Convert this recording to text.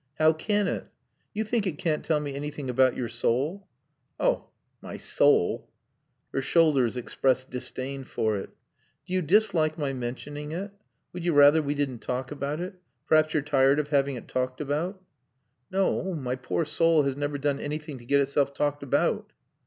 "How can it?" "You think it can't tell me anything about your soul?" "Oh my soul " Her shoulders expressed disdain for it. "Do you dislike my mentioning it? Would you rather we didn't talk about it? Perhaps you're tired of having it talked about?" "No; my poor soul has never done anything to get itself talked about."